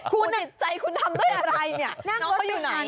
คุณติดใจคุณทำด้วยอะไรเนี่ย